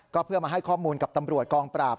ก็เพื่อมาให้ข้อมูลกับตำรวจกองปราบ